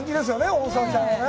大沢ちゃんはね。